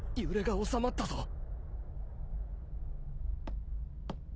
揺れが収まったぞ。